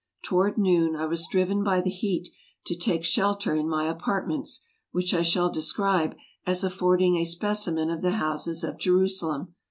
Toward noon I was driven by the heat to take shelter in my apartments, which I shall describe, as affording a speci men of the houses of Jerusalem.